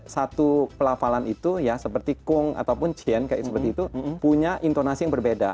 satu pelapalan itu seperti kong atau cien seperti itu punya intonasi yang berbeda